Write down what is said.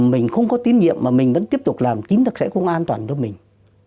mình không có tín nhiệm mà mình vẫn tiếp tục làm chính là sẽ không an toàn cho mình